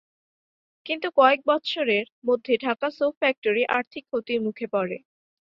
কিন্তু কয়েক বৎসরের মধ্যে ঢাকা সোপ ফ্যাক্টরি আর্থিক ক্ষতির মুখে পড়ে।